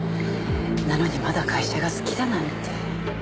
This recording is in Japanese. なのにまだ会社が好きだなんて。